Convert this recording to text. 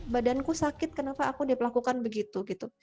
badanku sakit kenapa aku diperlakukan begitu gitu